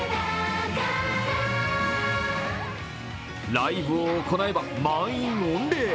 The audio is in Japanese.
ライブを行えば満員御礼。